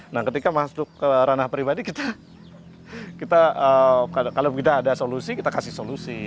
nah ketika masuk ke ranah pribadi kita kalau tidak ada solusi kita kasih solusi